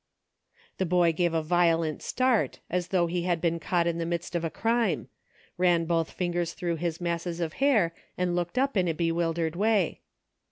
143 The boy gave a violent start, as though he had been caught in the midst of a crime ; ran both fingers through his masses of hair and looked up in a bewildered way.